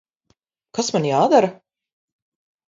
Kas man jādara?